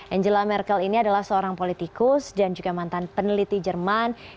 angela merkel ini adalah seorang politikus dan juga mantan peneliti jerman